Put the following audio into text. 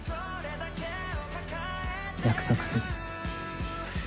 約束する。